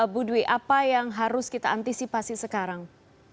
budwi apa yang harus kita antisipasi sekarang